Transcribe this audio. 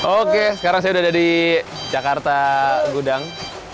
oke sekarang saya udah ada di jakarta gudang